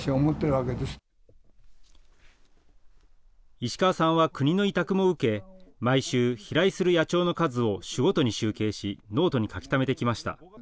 石川さんは国の委託も受け毎週、飛来する野鳥の数を種ごとに集計しノートに書きためてきました。